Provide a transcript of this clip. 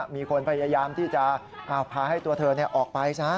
มีคนพยายามที่จะพาให้ตัวเธอออกไปซะ